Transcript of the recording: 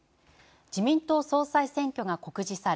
自民党総裁選挙が告示され、